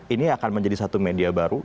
ini akan menjadi satu media baru